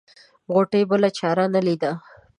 غوټۍ بله چاره نه ليده.